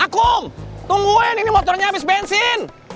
aku tungguin ini motornya habis bensin